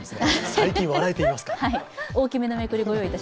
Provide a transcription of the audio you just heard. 最近、笑えていますか？